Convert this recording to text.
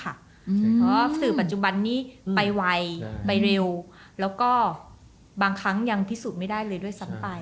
เพราะสื่อปัจจุบันนี้ไปไวไปเร็วแล้วก็บางครั้งยังพิสูจน์ไม่ได้เลยด้วยซ้ำไป